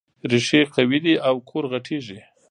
ريښې قوي دي او کور غټېږي.